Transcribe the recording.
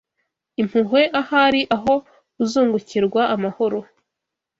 impuhwe ahari aho uzungukirwa amahoro.